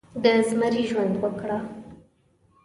د زمري ژوند وکړه